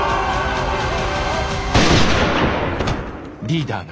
リーダー！